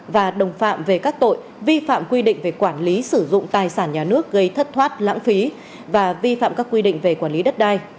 vi phạm các quy định về sử dụng tài sản nhà nước gây thất thoát lãng phí và vi phạm các quy định về quản lý đất đai